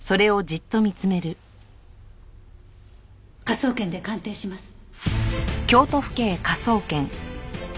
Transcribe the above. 科捜研で鑑定します。